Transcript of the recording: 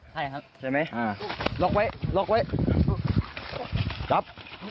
ใช่ครับ